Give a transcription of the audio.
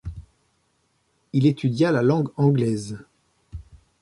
Il étudia la langue anglaise.